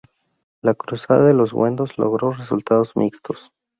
La Cruzada de los wendos logró resultados mixtos.